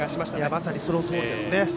まさにそのとおりですね。